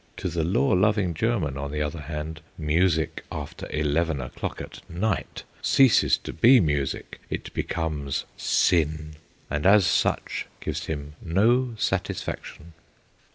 To the law loving German, on the other hand, music after eleven o'clock at night ceases to be music; it becomes sin, and as such gives him no satisfaction.